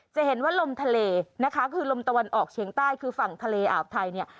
จะเห็นว่าลมทะเลนะคะคือลมตะวันออกเฉียงใต้คือฝั่งทะเลอาวไทยเนี่ย